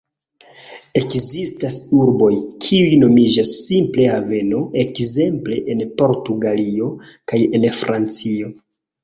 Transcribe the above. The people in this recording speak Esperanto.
Ekzistas urboj, kiuj nomiĝas simple "haveno", ekzemple en Portugalio kaj en Francio.